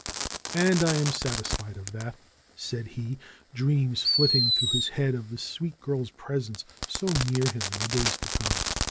am satisfied of that," said he, dreams flitting through his head of this sweet girl's presence so near him in the days to come.